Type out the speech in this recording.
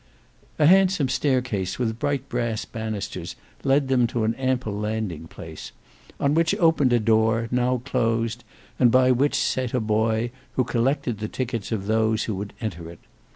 A handsome staircase with bright brass bannisters led them to an ample landing place, on which opened a door, now closed and by which sate a boy who collected the tickets of those who would enter it.